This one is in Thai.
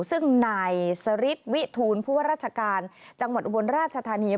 ซึ่งนายสริทวิทูลผู้ว่าราชการจังหวัดอุบลราชธานี